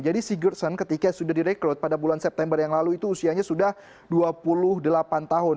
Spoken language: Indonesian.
jadi sigurdsson ketika sudah direkrut pada bulan september yang lalu itu usianya sudah dua puluh delapan tahun